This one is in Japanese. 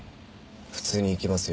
普通に行きますよ